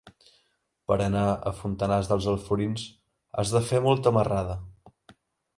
Per anar a Fontanars dels Alforins has de fer molta marrada.